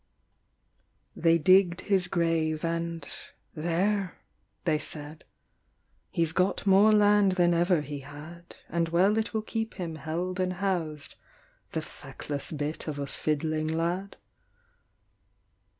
They digged his grave and, "There," they said, "He s got more land than ever he had, And well it will keep him held and housed, The feckless bit of a fiddling lad."